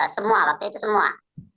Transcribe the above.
semua waktu itu semua